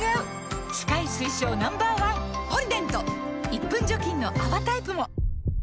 １分除菌の泡タイプも！